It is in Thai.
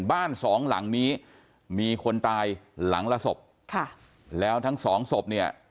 บ้านสองหลังนี้มีคนตายหลังละศพค่ะแล้วทั้งสองศพเนี่ย